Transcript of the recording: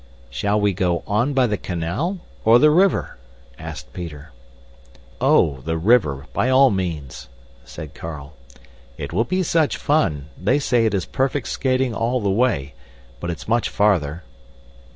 "Shall we go on by the canal or the river?" asked Peter. "Oh, the river, by all means," said Carl. "It will be such fun; they say it is perfect skating all the way, but it's much farther."